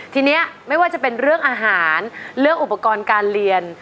ทีนี้ไม่ว่าจะเป็นเรื่องอาหารเรื่องอุปกรณ์การเรียน